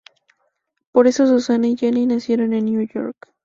Por eso Susanna y Jenny nacieron en Nueva York.